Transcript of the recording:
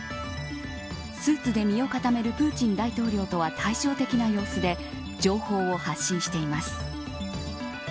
スーツで身を固めるプーチン大統領とは対照的な様子で情報を発信しています。